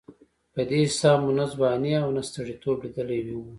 په دې حساب مو نه ځواني او نه سړېتوب لېدلې وه.